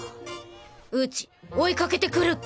うち追いかけてくる！